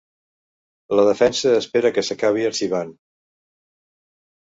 La defensa espera que s’acabi arxivant.